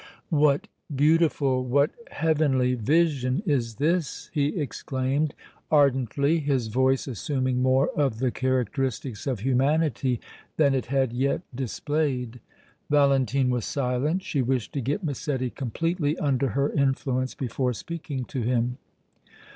"What beautiful, what heavenly vision is this?" he exclaimed, ardently, his voice assuming more of the characteristics of humanity than it had yet displayed. Valentine was silent; she wished to get Massetti completely under her influence before speaking to him.